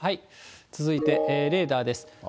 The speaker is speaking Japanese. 続いてレーダーです。